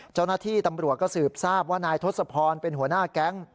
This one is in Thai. เจ้าหน้าที่ตำรวจก็สืบทราบว่านายทศพรเป็นหัวหน้าแก๊ง